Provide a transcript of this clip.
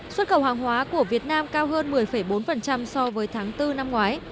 xuất khẩu hàng hóa của việt nam cao hơn một mươi bốn so với tháng bốn năm ngoái